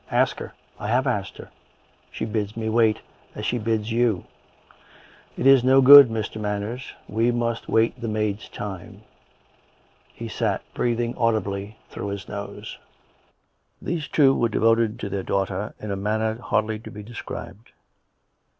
" Ask her." " I have asked her. She bids me wait, as she bids you. It is no good, Mr. Manners. We must wait the maid's time." He sat, breathing audibly through his nose. These two were devoted to their daughter in a manner hardly to be described.